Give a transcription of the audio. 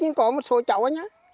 nhưng có một số cháu anh á